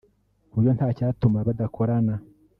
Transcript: ku buryo nta cyatuma badakorana